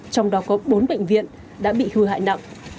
trong đó có bốn bệnh viện đã bị hư hại nặng